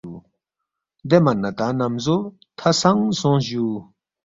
دےمن نہ تا نمزو تھہ سنگ سونگس جوُ